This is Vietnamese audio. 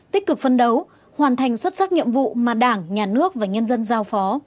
tích cực phân đấu hoàn thành xuất sắc nhiệm vụ mà đảng nhà nước và nhân dân giao phó